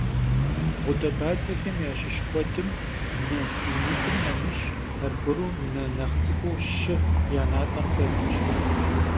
Гъудэбадзэхэм ящыщ куэдым, нэ инитӏым нэмыщӏ, аргуэру нэ нэхъ цӏыкӏуу щы я натӏэм хэтщ.